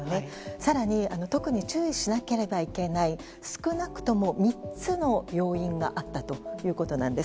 更に特に注意しなければいけない少なくとも３つの要因があったということなんです。